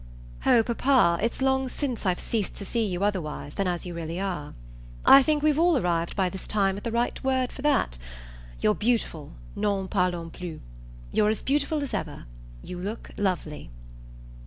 "Oh papa, it's long since I've ceased to see you otherwise than as you really are! I think we've all arrived by this time at the right word for that: 'You're beautiful n'en parlons plus.' You're as beautiful as ever you look lovely."